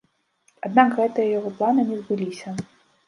Аднак гэтыя яго планы не збыліся.